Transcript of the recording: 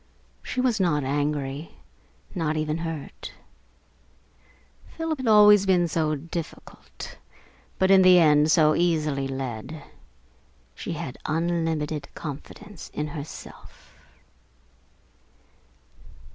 She was not angry, not even hurt. Philip had always been so difficult, but in the end so easily led. She had unlimited confidence in herself.